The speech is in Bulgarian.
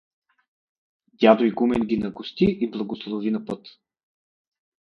— Дядо игумен ги нагости и благослови на път.